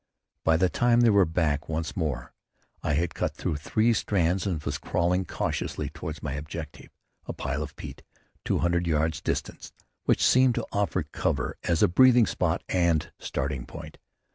By the time they were back once more I had cut through three strands and was crawling cautiously toward my objective, a pile of peat two hundred yards distant, which seemed to offer cover as a breathing spot and starting point.